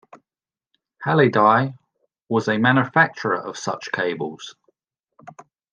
Hallidie was a manufacturer of such cables.